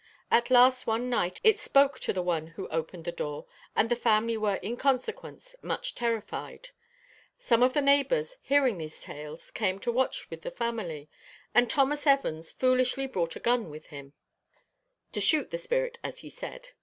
At last one night it spoke to the one who opened the door, and the family were in consequence much terrified. Some of the neighbours, hearing these tales, came to watch with the family; and Thomas Evans foolishly brought a gun with him, 'to shoot the spirit,' as he said.